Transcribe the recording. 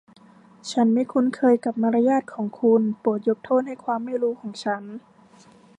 ฉันไม่คุ้นเคยกับมารยาทของคุณ โปรดยกโทษให้ความไม่รู้ของฉัน